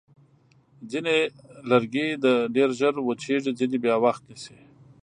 ځینې لرګي ډېر ژر وچېږي، ځینې بیا وخت نیسي.